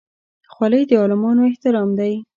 خولۍ د عالمانو احترام دی.